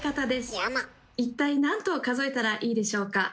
一体何と数えたらいいでしょうか？